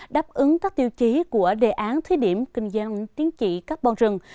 đáp ứng các tiêu chí của đề án thí điểm kinh doanh tiến trị carbon rừng